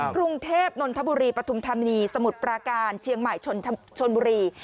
กรุงเทพนนทบุรีปฐุมธานีสมุทรปราการเชียงใหม่ชนบุรี